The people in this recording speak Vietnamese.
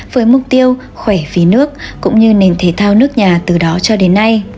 với mục tiêu khỏe phí nước cũng như nền thể thao nước nhà từ đó cho đến nay